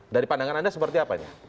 dari pandangan anda seperti apanya